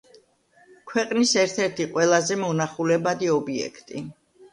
ქვეყნის ერთ-ერთი ყველაზე მონახულებადი ობიექტი.